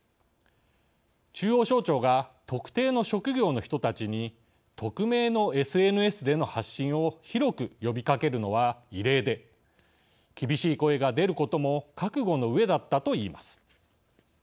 中央省庁が特定の職業の人たちに匿名のＳＮＳでの発信を広く呼びかけるのは異例で厳しい声が出ることも覚悟のうえだったといいます。